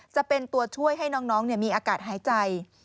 จะเป็นตัวช่วยให้น้องมีอากาศหายใจ